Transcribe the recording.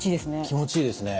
気持ちいいですね。